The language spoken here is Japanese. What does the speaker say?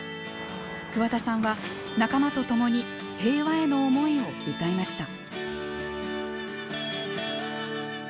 桑田さんは、仲間と共に平和への思いを歌いました。